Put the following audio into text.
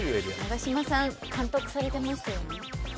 永島さん監督されてましたよね。